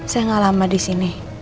saya gak lama di sini